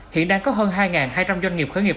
hiện đang có hơn hai hai trăm linh doanh nghiệp khởi nghiệp